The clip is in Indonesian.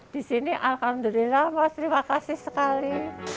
di sini alhamdulillah mas terima kasih sekali